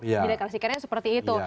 jadi klasikannya seperti itu